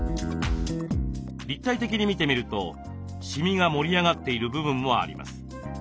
立体的に見てみるとシミが盛り上がっている部分もあります。